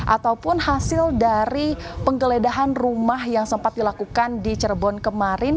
ataupun hasil dari penggeledahan rumah yang sempat dilakukan di cirebon kemarin